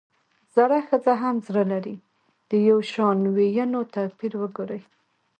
زړه ښځه هم زړۀ لري ؛ د يوشان ويونو توپير وګورئ!